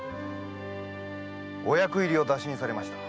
お役入りを打診されました。